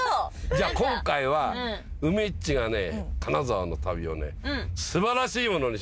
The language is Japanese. じゃあ今回は梅っちが金沢の旅を素晴らしいものにしましょう。